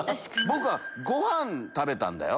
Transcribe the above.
僕はご飯食べたんだよ。